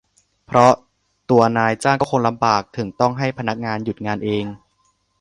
เพราะตัวนายจ้างก็คงลำบากถึงต้องให้พนักงานหยุดงานเอง